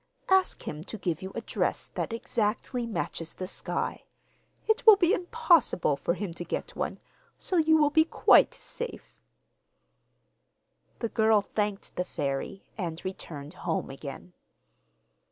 Ask him to give you a dress that exactly matches the sky. It will be impossible for him to get one, so you will be quite safe.' The girl thanked the fairy and returned home again.